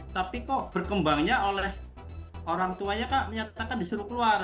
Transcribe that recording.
tapi kok berkembangnya oleh orang tuanya kak menyatakan disuruh keluar